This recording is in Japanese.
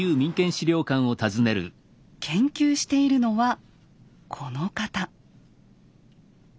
研究しているのはこの方。